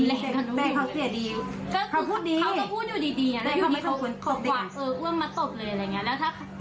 แต่เขาเสียดีเขาพูดดีเขาก็พูดอยู่ดีอยู่ดีเขากว่าเอออ้วมมาตบเลยอะไรอย่างนี้